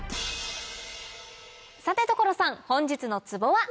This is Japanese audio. さて所さん本日のツボは？